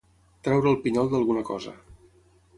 Treure el pinyol d'alguna cosa.